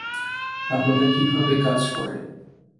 তাহলে কীভাবে কাজ করে?